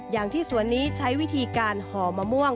อย่างที่สวนนี้ใช้วิธีการห่อมะม่วง